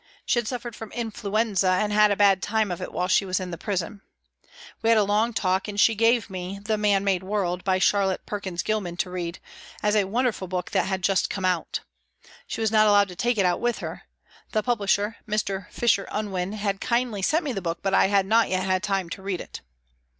She had suffered from influenza and had a bad time of it while she was in prison. We had a long talk, and she gave me The Man made World, by Charlotte Perkins Oilman, to read, as a wonderful book that had just come out. She was not allowed to take it out with her. The publisher, Mr. Fisher Unwin, had kindly sent me the book, but I had not yet had time to read it.